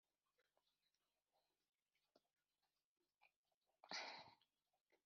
nkunda ukuntu mfata ku buryo butunguranye